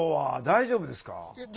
大丈夫ですか？